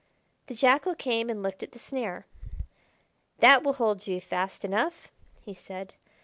The Jackal came and looked at the snare. "That will hold you fast enough," he said.